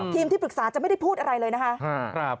ที่ปรึกษาจะไม่ได้พูดอะไรเลยนะคะ